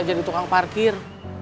jadi tukang parkir